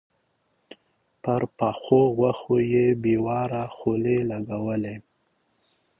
پر پخو غوښو يې بې واره خولې لګولې.